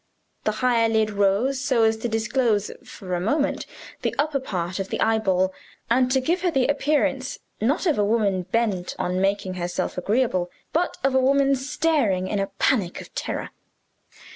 The higher lid rose so as to disclose, for a moment, the upper part of the eyeball, and to give her the appearance not of a woman bent on making herself agreeable, but of a woman staring in a panic of terror.